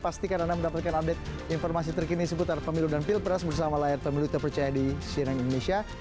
pastikan anda mendapatkan update informasi terkini seputar pemilu dan pilpres bersama layar pemilu terpercaya di cnn indonesia